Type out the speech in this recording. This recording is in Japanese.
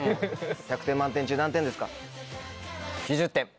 １００点満点中何点ですか？